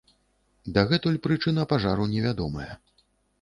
Дагэтуль прычына пажару невядомая.